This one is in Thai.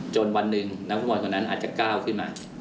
วันหนึ่งนักฟุตบอลคนนั้นอาจจะก้าวขึ้นมา